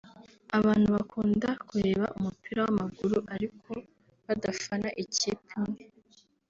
Abantu bakunda kureba umupira w’amaguru ariko badafana ikipe imwe